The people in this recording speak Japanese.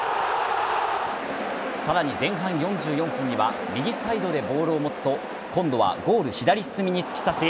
さらに、前半４４分には右サイドでボールを持つと今度は、ゴール左隅に突き刺し